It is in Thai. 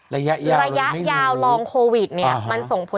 ระยะยาวลองโควิดมันส่งผล